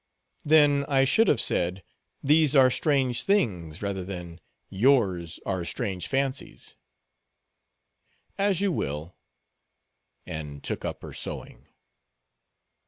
"Then I should have said, 'These are strange things,' rather than, 'Yours are strange fancies.'" "As you will;" and took up her sewing.